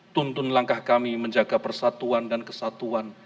tuntun langkah kami menjaga persatuan dan kesatuan